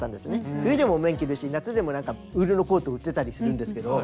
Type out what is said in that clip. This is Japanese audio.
冬でも綿着るし夏でもウールのコート売ってたりするんですけど。